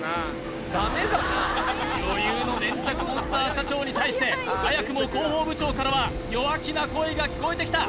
余裕の粘着モンスター社長に対して早くも広報部長からは弱気な声が聞こえてきた